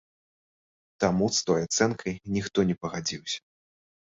Таму з той ацэнкай ніхто не пагадзіўся.